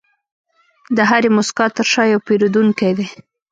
د هرې موسکا تر شا یو پیرودونکی دی.